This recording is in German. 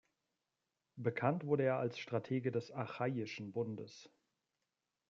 Bekannt wurde er als Stratege des Achaiischen Bundes.